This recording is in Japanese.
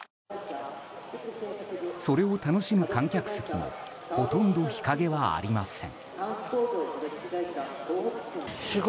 それを楽しむ観客席にほとんど日陰はありません。